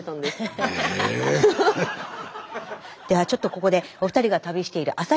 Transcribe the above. ⁉ではちょっとここでお二人が旅している旭